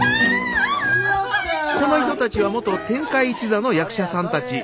この人たちは元天海一座の役者さんたち。